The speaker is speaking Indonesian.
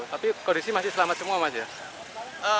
tapi kondisi masih selamat semua mas ya